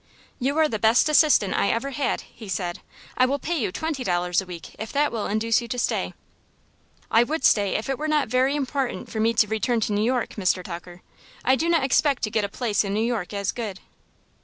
"You are the best assistant I ever had," he said. "I will pay you twenty dollars a week, if that will induce you to stay." "I would stay if it were not very important for me to return to New York, Mr. Tucker. I do not expect to get a place in New York as good."